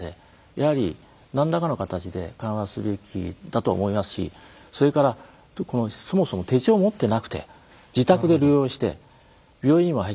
やはり何らかの形で緩和すべきだと思いますしそれからそもそも手帳を持っていなくて自宅で療養して病院にも入っていない。